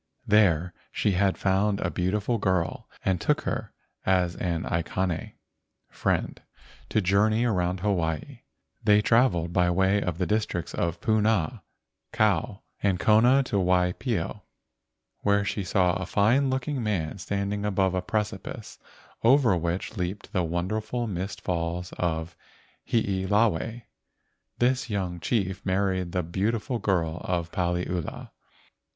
There she had found a beautiful girl and took her as an aikane (friend) to journey around Hawaii. They travelled by way of the districts of Puna, Kau, and Kona to Waipio, where she saw a fine looking man standing above a precipice over which leaped the wonderful mist falls of Hiilawe. This young chief married the beautiful girl friend of Paliula.